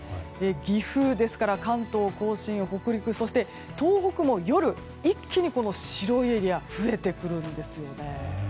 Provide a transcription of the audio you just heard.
岐阜、関東・甲信北陸、そして東北も夜、一気に白いエリアが増えてくるんですよね。